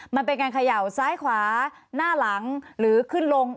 มันเป็นการเขย่าซ้ายขวาหน้าหลังหรือขึ้นลง